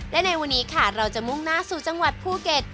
และในวันนี้ค่ะเราจะมุ่งหน้าสู่จังหวัดภูเก็ต